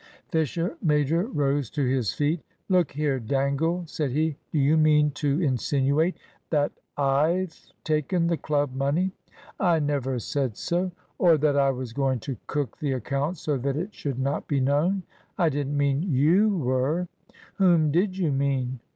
Fisher major rose to his feet. "Look here, Dangle," said he; "do you mean to insinuate that I've taken the club money!" "I never said so." "Or that I was going to cook the accounts so that it should not be known?" "I didn't mean you were." "Whom did you mean?